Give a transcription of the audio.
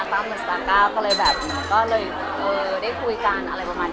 ตั้มอินสตาร์กั๊บเลยแบบก็เลยเอ่อได้คุยกันอะไรประมาณเนี้ยค่ะ